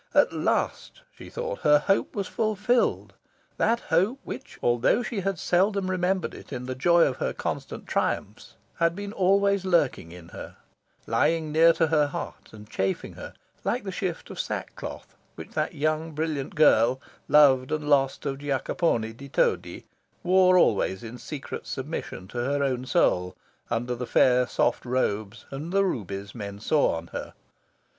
At last, she thought, her hope was fulfilled that hope which, although she had seldom remembered it in the joy of her constant triumphs, had been always lurking in her, lying near to her heart and chafing her, like the shift of sackcloth which that young brilliant girl, loved and lost of Giacopone di Todi, wore always in secret submission to her own soul, under the fair soft robes and the rubies men saw on her.